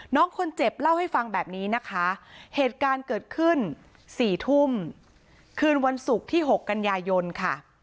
น้องคนเจ็บเล่าให้ฟังแบบนี้นะคะเหตุการณ์เกิดขึ้น๔ทุ่มคืนวันศุกร์ที่๖กันยายนค่ะ